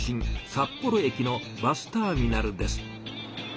札幌駅のバスターミナルです。